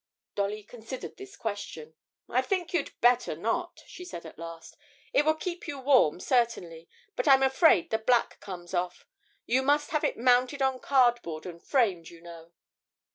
Dolly considered this question. 'I think you'd better not,' she said at last: 'it would keep you warm certainly, but I'm afraid the black comes off you must have it mounted on cardboard and framed, you know.'